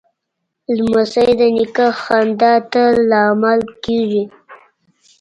لمسی د نیکه خندا ته لامل کېږي.